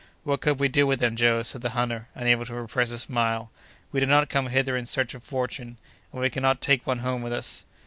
"What could we do with them, Joe?" said the hunter, unable to repress a smile. "We did not come hither in search of fortune, and we cannot take one home with us."